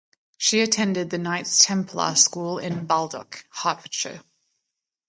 She attended the Knights Templar School in Baldock, Hertfordshire.